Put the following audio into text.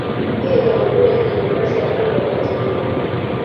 Pia Jamhuri ya Kidemokrasia ya Kongo wakati huo